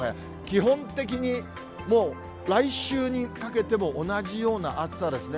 基本的にもう来週にかけても同じような暑さですね。